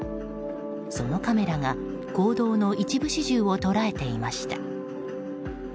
そのカメラが行動の一部始終を捉えていました。